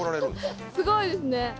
すごいですね。